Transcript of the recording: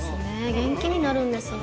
元気になるんですね。